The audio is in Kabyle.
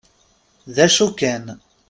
D acu kan.